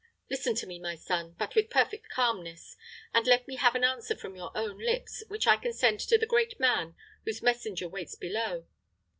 Listen to me, my son, but with perfect calmness, and let me have an answer from your own lips, which I can send to the great man whose messenger waits below.